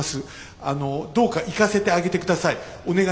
あのどうか行かせてあげてください。